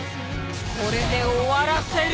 これで終わらせる！